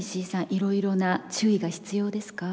いろいろな注意が必要ですか？